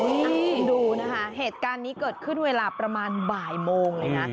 คุณดูนะคะเหตุการณ์นี้เกิดขึ้นเวลาประมาณบ่ายโมงเลยนะ